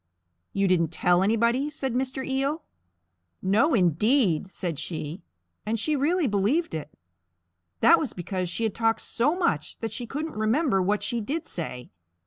"You didn't tell anybody?" said Mr. Eel. "No indeed!" said she; and she really believed it. That was because she had talked so much that she couldn't remember what she did say.